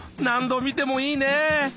何度見てもいいね。